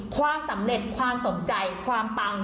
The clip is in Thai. ความสำเร็จความสนใจความปัง